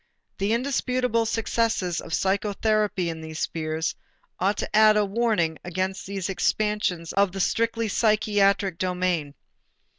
The indisputable success of psychotherapy in these spheres ought to add a warning against these expansions of the strictly psychiatric domain.